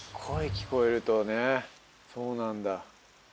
声聞こえるとねそうなんだ。